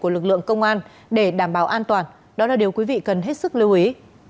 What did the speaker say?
của lực lượng công an để đảm bảo an toàn đó là điều quý vị cần hết sức lưu ý